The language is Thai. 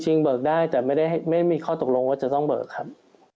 จริงเบิกได้แต่ไม่มีข้อตกลงว่าจะต้องเบิกครับ